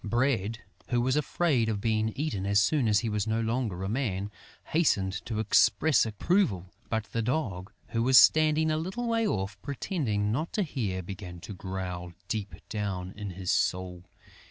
Bread, who was afraid of being eaten as soon as he was no longer a man, hastened to express approval; but the Dog, who was standing a little way off, pretending not to hear, began to growl deep down in his soul.